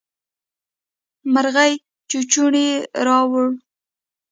مرغۍ چوچوڼی راووړ.